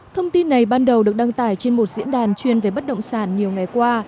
thông tin này ban đầu được đăng tải trên một diễn đàn chuyên về bất động sản nhiều ngày qua